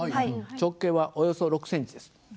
直径はおよそ６ｃｍです。